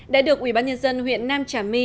đã được ubnd huyện nam trà my